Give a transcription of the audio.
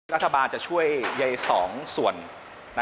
รัฐบาลจะช่วยใย๒ส่วน